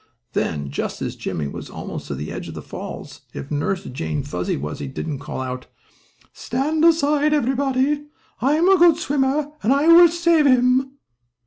Then, just as Jimmie was almost to the edge of the falls, if Nurse Jane Fuzzy Wuzzy didn't call out: "Stand aside, everybody! I am a good swimmer and I will save him!"